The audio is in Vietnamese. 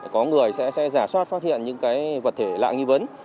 có người sẽ giả soát phát hiện những vật thể lạ nghi vấn